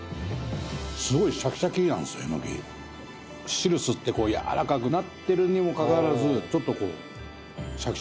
汁吸ってやわらかくなってるにもかかわらずちょっとこう。